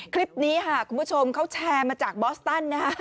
คลิปนี้คุณผู้ชมเขาแชร์มาจากบอสตัน